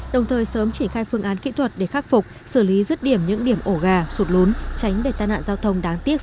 đồng thời sớm triển khai phương án kỹ thuật để khắc phục xử lý rứt điểm những điểm ổ gà sụt lún tránh để tai nạn giao thông đáng tiếc xảy ra